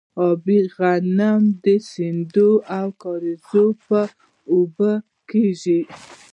ابي غنم د سیندونو او کاریزونو په اوبو کیږي.